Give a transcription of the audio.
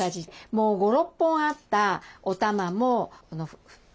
もう５６本あったおたまも２つ。